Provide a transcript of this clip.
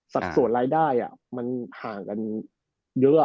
สัดส่วนรายได้มันห่างกันเยอะ